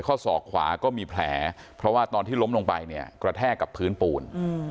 ศอกขวาก็มีแผลเพราะว่าตอนที่ล้มลงไปเนี่ยกระแทกกับพื้นปูน